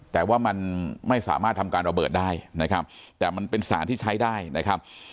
แต่ว่ามันไม่สามารถทำการระเบิดได้นะครับแต่มันเป็นสารที่ใช้ได้นะครับ